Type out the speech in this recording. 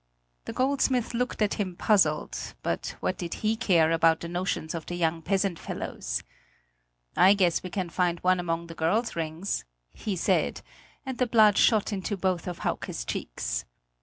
The goldsmith looked at him puzzled; but what did he care about the notions of the young peasant fellows. "I guess we can find one among the girls' rings" he said, and the blood shot into both of Hauke's cheeks.